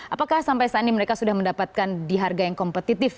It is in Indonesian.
apakah sampai saat ini mereka sudah mendapatkan di harga yang kompetitif